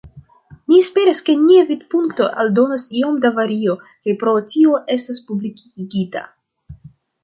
Mi esperas, ke nia vidpunkto aldonas iom da vario kaj pro tio estos publikigita.